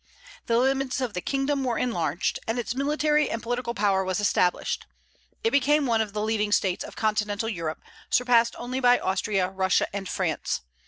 The limits of the kingdom were enlarged, and its military and political power was established. It became one of the leading states of Continental Europe, surpassed only by Austria, Russia, and France.